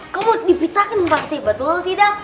kamu dipitain pasti betul tidak